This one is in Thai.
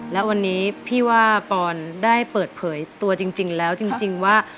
และวันนี้พี่ว่าปอนได้เปิดเผยตัวจริงแล้วจริงว่า